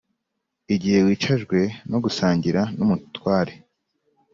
igihe wicajwe no gusangira n’umutware